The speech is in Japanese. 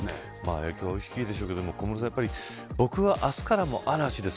影響は大きいでしょうけど小室さん僕は明日からも嵐です。